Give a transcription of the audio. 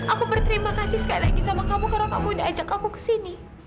aku berterima kasih sekali lagi sama kamu karena kamu udah ajak aku ke sini